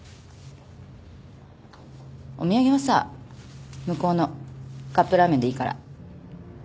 お土産はさ向こうのカップラーメンでいいから。